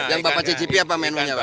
yang bapak cicipi apa menu nya pak